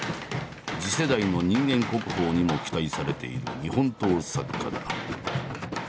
次世代の人間国宝にも期待されている日本刀作家だ。